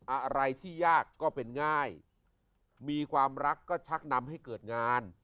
อะไรที่ยากก็เป็นง่ายมีความรักก็ชักนำให้เกิดงาน